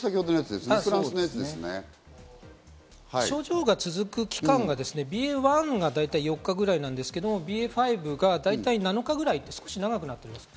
症状が続く期間がＢＡ．１がだいたい４日ぐらいなんですけどＢＡ．５がだいたい７日ぐらいと少し長くなっています。